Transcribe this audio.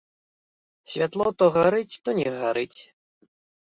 Святло то гарыць, то не гарыць.